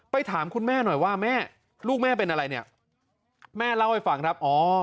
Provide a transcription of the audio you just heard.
ถามคุณแม่หน่อยว่าแม่ลูกแม่เป็นอะไรเนี่ยแม่เล่าให้ฟังครับ